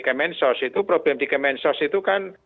kemensos itu problem di kemensos itu kan